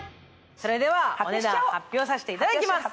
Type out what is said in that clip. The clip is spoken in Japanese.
それではお値段発表させていただきます